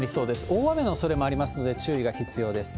大雨のおそれもありますので、注意が必要です。